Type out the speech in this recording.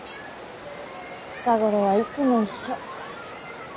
近頃はいつも一緒。